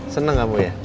seneng gak bu ya